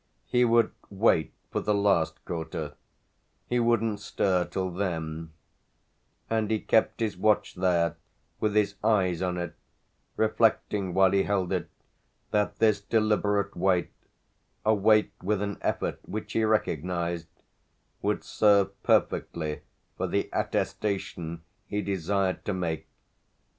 He would wait for the last quarter he wouldn't stir till then; and he kept his watch there with his eyes on it, reflecting while he held it that this deliberate wait, a wait with an effort, which he recognised, would serve perfectly for the attestation he desired to make.